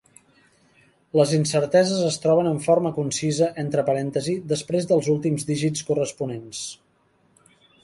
Les incerteses es troben en forma concisa entre parèntesis després dels últims dígits corresponents.